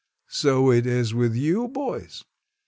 So it is with you, boys.